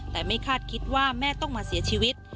แต่ไม่คาดคิดว่าแม่ต้องมาเสียชีวิต